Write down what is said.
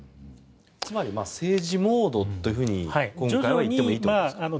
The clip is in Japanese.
つまり政治モードというふうにいってもいいということですか。